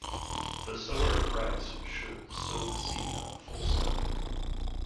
The sower of rice should sow the seed on a full stomach.